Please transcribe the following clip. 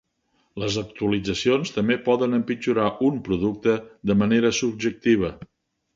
Les actualitzacions també poden empitjorar un producte de manera subjectiva.